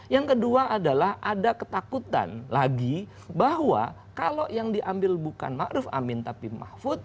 yang kedua adalah ada ketakutan lagi bahwa kalau yang diambil bukan ⁇ maruf ⁇ amin tapi mahfud